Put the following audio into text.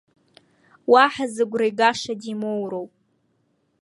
Уаҳа зыгәра игаша димоуроуп.